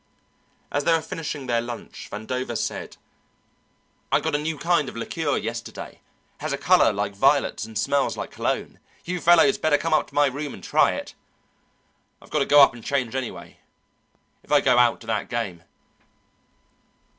As they were finishing their lunch Vandover said: "I got a new kind of liqueur yesterday has a colour like violets and smells like cologne. You fellows better come up to my room and try it. I've got to go up and change anyway, if I go out to that game."